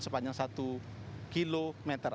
sepanjang satu kilometer